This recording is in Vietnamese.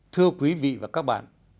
thưa quý vị và các bạn